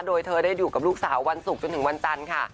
โดยเธอได้อยู่กับลูกสาววันศุกร์จนถึงวันจันทร์ค่ะ